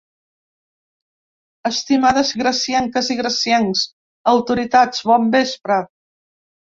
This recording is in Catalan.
Estimades gracienques i graciencs, autoritats, bon vespre!